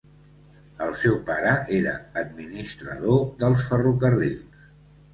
El seu pare era administrador dels ferrocarrils.